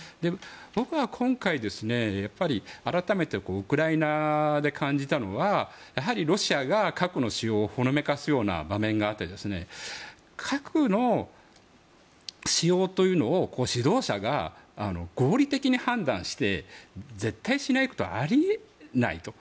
僕は今回改めてウクライナで感じたのはロシアが核の使用をほのめかすような場面があって核の使用というのを指導者が合理的に判断して絶対しないってあり得ないと。